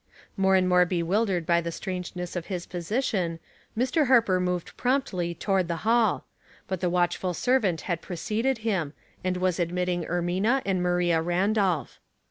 More and more bewildered by the strangeness of his position, ^Ir. Harper moved promptly to ward the hall ; but the watchful servant had pre ceded him, and was admitting Ermina and Maria Randolph.